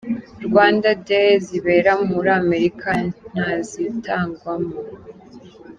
Rwanda Day zibera muri Amerika ntazitangwamo.